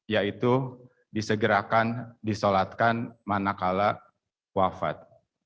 yaitu disegerakan disolatkan manakala wafat